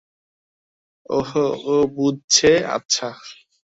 ওহ, ও বুঝছে, আচ্ছা।